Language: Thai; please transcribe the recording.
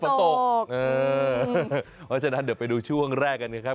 เพราะฉะนั้นเดี๋ยวไปดูช่วงแรกกันนะครับ